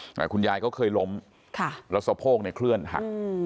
แต่คุณยายก็เคยล้มค่ะแล้วสะโพกเนี่ยเคลื่อนหัก